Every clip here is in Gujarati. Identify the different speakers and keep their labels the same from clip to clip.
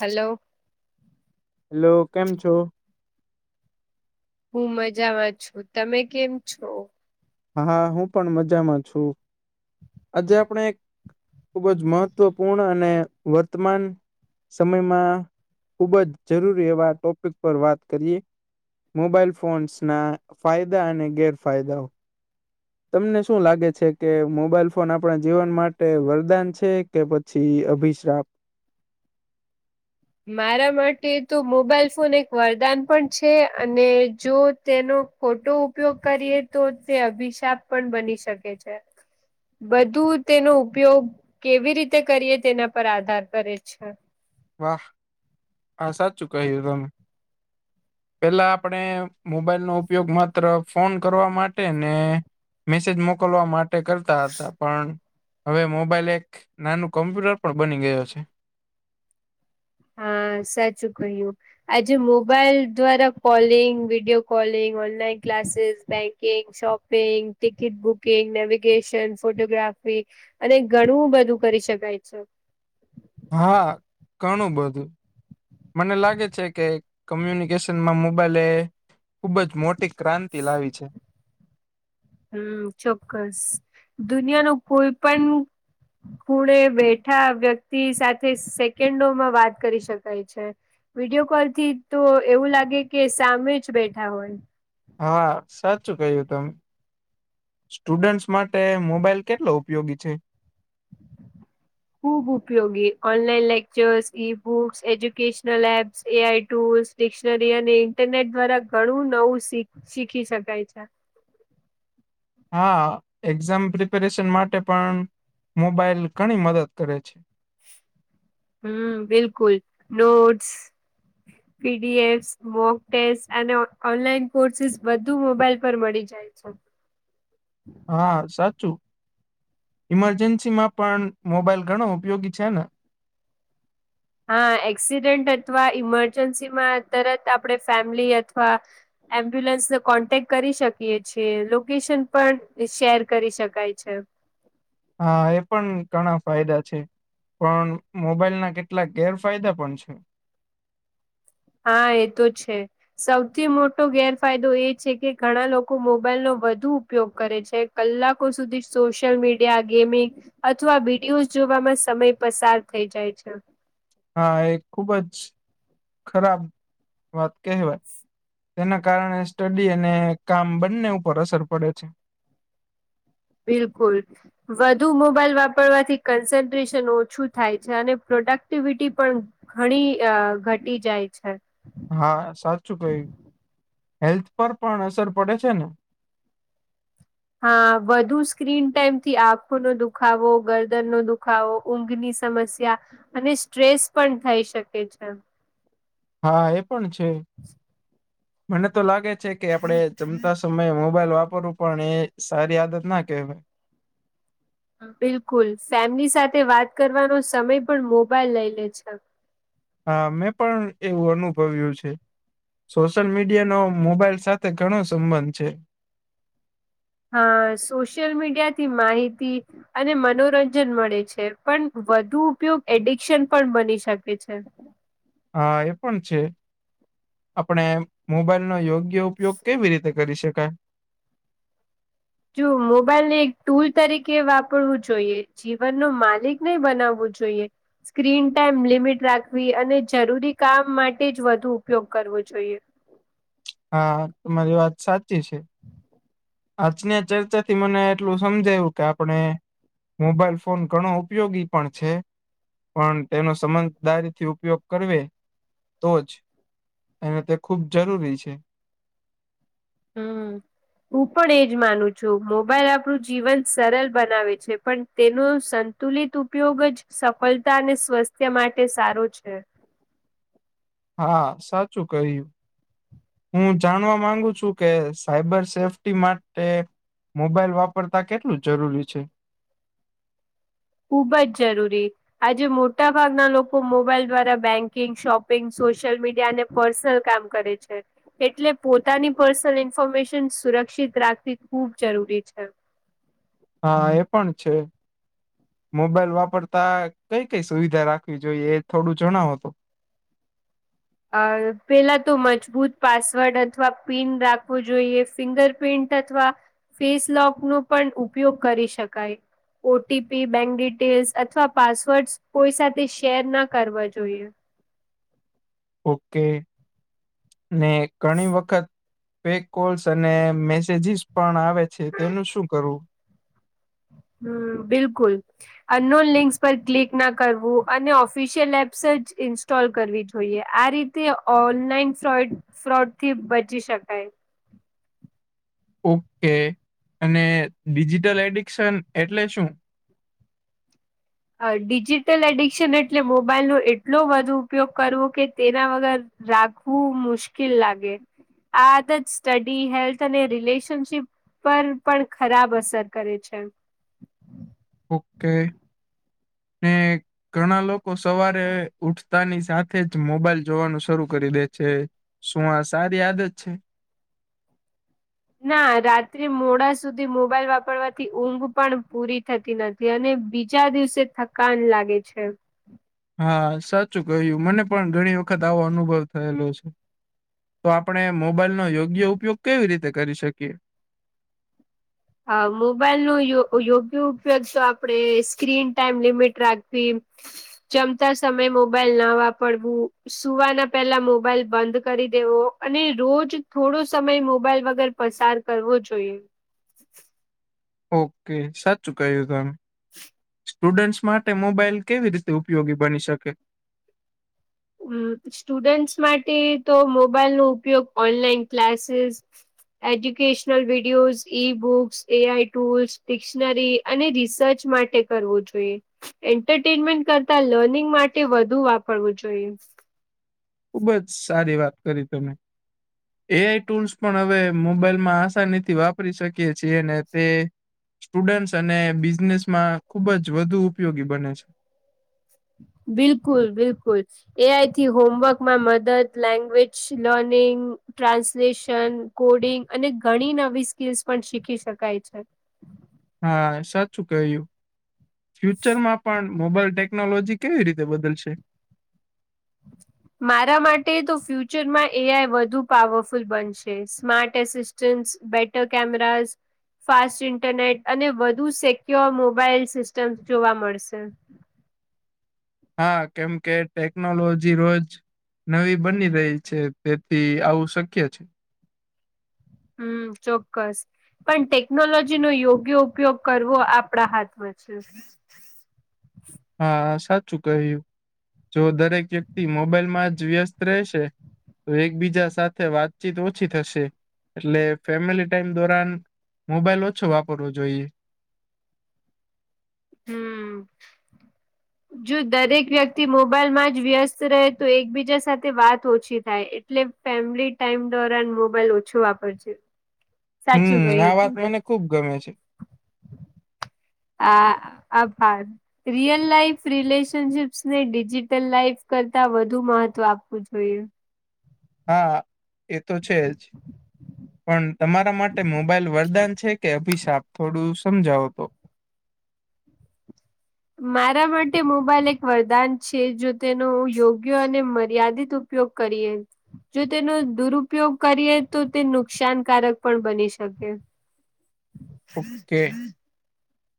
Speaker 1: હલો.
Speaker 2: લો કેમ છો
Speaker 1: હું મજાવા છું તમે કેમ છો
Speaker 2: હા હું પણ મજામાં છું આજે આપણે એક ખુબ જ મહત્વપૂર્ણ અને વર્તમાન સમયમાં ખુબ જ જરૂરી એવા ટોપિક પર વાત કરીએ મોબાઈલ ફોન્સ ના ફાયદા અને ગેરફાયદાઓ તમને શું લાગે છે કે મોબાઈલ ફોન આપણા જીવન માટે વરદાન છે કે પછી અભિશ્રાપ
Speaker 1: મારા માટે તો મોબાઈલ ફોન એક વરદાન પણ છે અને જો તેનો ખોટો ઉપયોગ કરીએ તો તે અભિશાપ પણ બની શકે છે બધું તેનો ઉપયોગ કેવી રીતે કરીએ તેના પર આધાર કરે છે
Speaker 2: વાહ આ સાચું કહ્યું તમે પેલા આપણે મોબાઈલ નો ઉપયોગ માત્ર ફોન કરવા માટે ન્ને મેસેજ મોકલવા માટે કરતા હતા પણ હવે મોબાઈલ એક નાનું કમ્પ્યુટર પણ બની ગયો છે
Speaker 1: હં સાચું કહ્યું આજે મોબાઈલ દ્વારા calling video calling online classes banking shop shopping ticket booking navigation photography અને ગણું બધું કરી શકાય છે
Speaker 2: હા ઘણું બધું. મને લાગે છે કે કમ્યુનિકેશનમાં મોબાઈલ એ ખુબ જ મોટી, ક્રાંન્તિ લાવી છે.
Speaker 1: હમ્મ ચોક્કસ દુનિયા નો કોઈ પણ ખૂણે બેઠા વ્યક્તિ સાથે સેકેન્ડોમાં વાત કરી શકાય છે. વિડિયો કોલ થી તો એવું લાગે કે સામે ચ બેઠા હોય,
Speaker 2: હા સાચું કહ્યું તમે, સ્ટુડન્સ માટે મોબાઈલ કેટલો ઉપયોગી છે?
Speaker 1: ખૂબ ઉપયોગી online lectures, e books, educational apps, AI tools, dictionary અને ઇન્ટરનેટ દ્વારા ઘણું નવું શી શીખી શકાય છે.
Speaker 2: હા એક્ઝામ પ્રિપેરેશન માટે પન મોબાઈલ ઘણી મદદ કરે છે.
Speaker 1: હમ્મ બિલકુલ નોટસ,
Speaker 2: [inaudible]
Speaker 1: પીડીએશ મોક ટેસ અને ઓનલાઈન કોરચસ બધુ મોબાઈલ પર મળી જ જાય છે.
Speaker 2: હા સાચું ઈમરજન્સી માં પણ મોબાઈલ ઘણો ઉપયોગી છે ને,
Speaker 1: હા એક્સિડન્ટ અથવા ઈમરજન્સી માં તરત આપણે ફેમિલી અથવા, એમ્બ્યુલન્સને કોન્ટેક કરી શકીએ છીએ લોકેશન પણ શેર કરી શકાય છે.
Speaker 2: હા એ પન ઘણા ફાયદા છે. પન મોબાઈલ ના કેટલાક ગેરફાયદા પણ છે.
Speaker 1: હા એ તો છે. સૌથી મોટો ગેરફાયદો એ છે કે ઘણા લોકો મોબાઈલ નો વધુ ઉપયોગ કરે છે, કલાકો સુધી સોશલ મીડિયા ગેમિંગ, અથવા વિડિયો જોવામાં સમય પસાર થઈ જાય છે.
Speaker 2: હા એ ખુબ છ ખરાબ વાત કહેવાય, તેના કારણે સ્ટડી અને કામ બંન્ને ઉપર અસર પડે છે.
Speaker 1: બિલકુલ, વધુ મોબાઈલ વાપરવાથી કન્સન્ટ્રેશન ઓછું થાય છે અને પ્રોડક્ટિવિટી પણ, ઘણી અ ઘટી જાય છે.
Speaker 2: હા સાચું કહ્યું હેલ્થ પર પણ અસર પડે છે ને,
Speaker 1: હા વધુ સ્ક્રીન ટાઈમથી આંખોનો દુખાવો, ગરદનનો દુખાવો, ઊંઘની સમસ્યા અને સ્ટ્રેસ પણ થઈ શકે છે.
Speaker 2: હા એ પણ છે મને તો લાગે છે કે આપડે જમતા સમયે મોબાઈલ વાપરવું પણ એ સારી આદત ના કેહેવ
Speaker 1: બિલકુલ ફેમિલી સાથે વાત કરવાનો સમય પણ મોબાઈલ લઈ લે છે.
Speaker 2: હા મેં પણ એવું અનુભવ્યું છે. સોશિયલ મીડિયાનો મોબાઈલ સાથે ઘણો સંબંધ છે.
Speaker 1: હા સોશિયલ મીડિયાથી માહિતી, અને મનોરંજન મળે છે પણ વધુ ઉપયોગ એડિક્શન પણ બની શકે છે.
Speaker 2: હા એ પણ છે આપણે મોબાઈલનો યોગ્ય ઉપયોગ કેવી રીતે કરી શકાય.
Speaker 1: જો મોબાઈલ એક ટુલ તરીકે વાપરવું જોઈએ જીવનનો માલિક નઇ બનાવવું જોઈએ, સ્ક્રીન ટાઈમ લિમિટ રાખવી અને જરૂરી કામ માટે જ વધુ ઉપયોગ કરવો જોઈએ.
Speaker 2: હા તમારી વાત સાચી છે. આજની ચર્ચાથી મને એટલું સમજાયું કે આપણે, મોબાઈલ ફોન ઘણો ઉપયોગી પણ છે. પણ તેનો સમનદારીથી ઉપયોગ કરવે તો જ, અને તે ખૂબ જરૂરી છે.
Speaker 1: હમ્મ હું પણ એજ માનું છું, મોબાઈલ આપણું જીવન સરલ બનાવે છે પણ તેનુ સન તુલિત ઉપયોગ જ સફળતા અને સ્વાસ્થ્ય માટે સારો છે.
Speaker 2: હા સાચું કહ્યું. હું જાણવા માંગુ છું કે, સાયબર સેફ્ટી માટે મોબાઈલ વાપરતા કેટલું જરૂરી છે.
Speaker 1: ખુબ જ જરૂરી આજે મોટા ભાગના લોકો મોબાઈલ દ્વારા બેંકિંગ, શોપિંગ, સોશિયલ મીડિયા અને પર્સનલ કામ કરે છે. એટલે પોતાની પર્સનલ ઇન્ફોર્મેશન સુરક્ષિત રાખવી ખૂબ જરૂરી છે.
Speaker 2: હા એ પણ છે. મોબાઈલ વાપરતા કઈ કઈ સુવિધા રાખવી જોઈએ એ થોડું જણાવો તો,
Speaker 1: અ પેલા તો મજબૂત પાસવર્ડ અથવા પિન રાખવુ જોઈયે ફિંગરપ્રિન્ટ અથવા ફેસ લોકનો પણ ઉપયોગ કરી શકાય. ઓટીપી, બેંક ડિટેલ્સ અથવા પાસવર્ડ કોઈ સાથે શેર ના કરવા જોઈએ.
Speaker 2: ઓકે, ને ઘણી વખત ફેક કોલ્સ અને મેસેજીસ પણ આવે છે, તેનું શું કરવું?
Speaker 1: હમ્મ, બિલકુલ અનનોન લિંકસ પર ક્લિક ના કરવું અને ઓફિશિયલ એપ્સજ ઇન સ્ટોલ કરવી જોઈએ, આ રીતે ઓનલાઈન ફોડ ફ્રોડથી બચી શકાય.
Speaker 2: ઓકે, અને ડિજિટલ એડિક્શન, એટલે શું?
Speaker 1: અ ડિજિટલ એડિક્શન એટલે મોબાઈલનો એટલો વધુ ઉપયોગ કરવો કે તેના વગર રાખવું મુશ્કેલ લાગે. આ આદત સ્ટડી હેલ્થ અને રિલેશનશિપ પર પણ ખરાબ અસર કરે છે.
Speaker 2: ઓકે, ને ઘણા લોકો સવારે ઉઠતાની સાથે જ મોબાઈલ જોવાનું શરૂ કરી દે છે. શું આ સારી આદત છે?
Speaker 1: ના રાત્રે મોડા સુધી મોબાઈલ વાપરવાથી ઊંઘ પણ પૂરી થતી નથી. અને બીજા દિવસે થકાન લાગે છે.
Speaker 2: હા સાચું કહ્યું, મને પણ ઘણી વખત આવો અનુભવ થયેલો છે. તો આપણે મોબાઈલનો યોગ્ય ઉપયોગ કેવી રીતે કરી શકીએ?
Speaker 1: અ મોબાઈલ નો યો યોગ્ય ઉપયોગ તો આપડે સ્ક્રીન ટાઈમ લિમિટ રાખવી જમતા સમયે મોબાઈલના વાપરવું. સુવાના પહેલા મોબાઈલ બંધ કરી દેવો, અને રોઝ થોડો સમય મોબાઈલ વગર પસાર કરવો જોઈએ.
Speaker 2: ઓકે, સાચુ કયું તમે.
Speaker 1: [inaudible]
Speaker 2: સ્ટુડન્ટસ માટે મોબાઈલ કેવી રીતે ઉપયોગી બની શકે?
Speaker 1: હમ્મ, સ્ટુડન્ટસ માટે તો મોબાઈલનો ઉપયોગ online classes educational videos, e books, A I tools, dictionary અને રિસર્ચ માટે કરવો જોઈએ. એન્ટરટેનમેન્ટ કરતા લર્નિંગ માટે વધુ વાપરવું જોઈએ,
Speaker 2: ખુબ જ સારી વાત કરી તમે, એ આઈ ટૂલ્સ પણ હવે મોબાઈલમાં આસાનીથી વાપરી શકીએ છીએ, અને તે સ્ટુડન્ટ અને બિઝનેસમાં ખુબ જ વધુ ઉપયોગી બને છે,
Speaker 1: બિલકુલ, બિલકુલ. એઆઈથી હોમવર્ક માં મદદ લેંગ્વેજ લર્નિંગ, ટ્રાન્સલેશન કોડિંગ અને ઘણી નવી સ્કીલ્સ પણ શીખી શકાય છે,
Speaker 2: હા સાચું ક્યું, ફ્યુચર માં પણ મોબાઈલ ટેકનોલોજી કેવી રીતે બદલશે, [inaudible]
Speaker 1: મારા માટે તો ફ્યુચરમાં એઆઈ વધુ પાવરફુલ બનશે smart assistants better cameras, fast internet અને વધુ સક્યોર મોબાઈલ સિસ્ટમ જોવા મળશે,
Speaker 2: હા કેમ કે ટેકનોલોજી રોજ, નવી બની રહી છે, તેથી આવું શક્ય છે.
Speaker 1: હું ચોક્કસ, પણ ટેકનોલોજી નો યોગ્ય ઉપયોગ કરવો આપણા હાથમાં છે,
Speaker 2: હા સાચું કહ્યું જો દરેક વ્યક્તિ મોબાઈલમાં જ વ્યસ્ત રહેશે, તો એકબીજા સાથે વાતચીત ઓછી થશે એટલે ફેમિલી ટાઈમ દોરન, મોબાઈલ ઓછો વાપરવો જોઈએ,
Speaker 1: હું.
Speaker 2: [inaudible]
Speaker 1: જો દરેક વ્યક્તિ મોબાઈલમાં જ વ્યસ્ત રહે તો એકબીજા સાથે વાત ઓછી થાય, ફેમિલી ટાઈમ દોરાન મોબાઈલ ઓછું વાપરજે, સાચું
Speaker 2: હું આ
Speaker 1: કહ્યું
Speaker 2: વાત
Speaker 1: તમે
Speaker 2: મને ખુબ ગમે છે,
Speaker 1: આ આભાર, રિયલ લાાઈફ રિલેશનશીપ્સને ડિજીિટલ લાઈફ કરતા વધુ મહત્વ આપવું જોઈએ,
Speaker 2: હા એ તો છે, જ, પણ તમારા માટે મોબાઈલ વરદાન છે, કે અભિશાપ થોડું સમજાવો તો,
Speaker 1: માટે મોબાઈલ એક વરદાન જો તેનો યોગ્ય અને મર્યાદિત ઉ ઉપયોગ કરીએ, જો તેનો દુરુપયોગ કરીએ તો નુકસાનકારક પણ બની શકે,
Speaker 2: [inaudible]
Speaker 1: હ હ
Speaker 2: ઓકે
Speaker 1: [inaudible]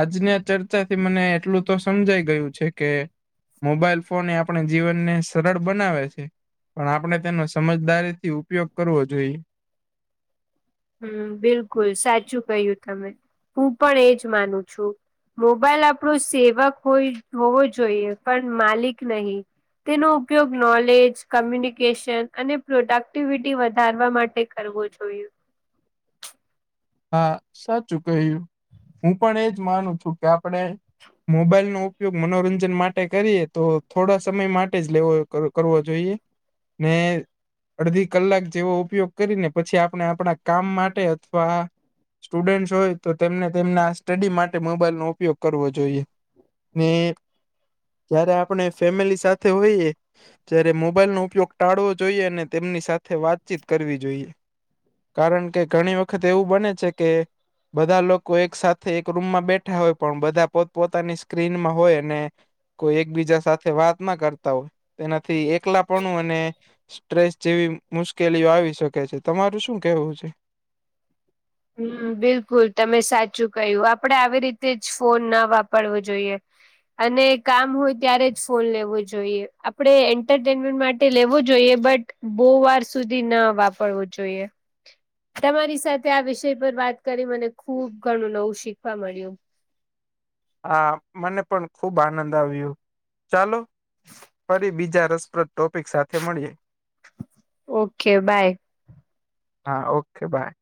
Speaker 2: આજની આ ચર્ચાથી મને એટલું તો સમજાઈ ગયું છે કે, મોબાઈલ ફોન એ આપણે જીવનને સરળ બનાવે છે, પણ આપણે તેનો સમજદારી થી ઉપયોગ કરવો જોઈએ.
Speaker 1: હમ બિલકુલ સાચું કહ્યું તમે હું પણ એજ માનું છું. મોબાઈલ આપણો સેવક હોય હોવો જોઈએ પણ માલિક નહિં. તેનો ઉપયોગ નોલેજ, કમ્યુનિકેશન અને પ્રોડક્ટિવિટી વધારવા માટે, કરવો જોઇએ.
Speaker 2: હા સાચું કહ્યું. હું પણ એજ માનું છું કે આપણે, મોબાઈલનો ઉપયોગ મનોરંજન માટે કરીએ તો થોડા સમય માટે જ કરવો જોઈએ. ને, અડધી કલાક જેવો ઉપયોગ કરીને પછી આપણે આપણા કામ માટે અથવા, સ્ટુડન્ટ હોય તો તેમને તેમના આ સ્ટડી માટે મોબાઈલ નો ઉપયોગ કરવો જોઈએ. ને જયારે આપણે ફેમિલી સાથે હોઈએ જ્યારે મોબાઈલ નો ઉપયોગ ટાળવો જોઈએ, અને તેમની સાથે વાતચીત કરવી જોઈએ. કારણ કે ઘણી વખત એવું બને છે કે બધા લોકો એક સાથે એક રૂમમાં બેઠા હોય પણ બધા પોત પોતાની સ્ક્રીનમાં હોય અને કોઈ એકબીજા સાથે વાત ના કરતા હોય તેનાથી એકલાપણું અને સ્ટ્રેસ જેવી મુશ્કેલીઓ આવી શકે છે. તમારું શું કહેવું છે?
Speaker 1: હમ્મ, બિલકુલ તમે સાચું ક્હ્યું, આપડે આવી રીતે જ ફોન ના વાપરવો જોઈએ. અને કામ હોય ત્યારે જ ફોન લેવો જોઈએ, આપણે એન્ટરટેનમેન્ટ માટે લેવો જોઈએ બટ બહુ વાર સુધી ના વાપરવું જોઈએ, તમારી સાથ વિષય પર વાત કરી મને ખુબ ઘણું નવું શીખવા મળ્યું.
Speaker 2: હા, મને પણ આનંદ આવ્યો, ચાલો ફરી બીજા રસપ્રદ ટોપિક સાથે મળીએ.
Speaker 1: Okay bye
Speaker 2: okay by